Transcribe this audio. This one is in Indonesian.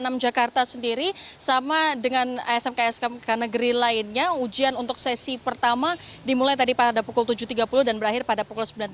di jakarta sendiri sama dengan smk smk negeri lainnya ujian untuk sesi pertama dimulai tadi pada pukul tujuh tiga puluh dan berakhir pada pukul sembilan tiga puluh